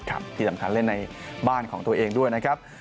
ที่สำคัญเล่นในบ้านของตัวเองด้วยนะครับ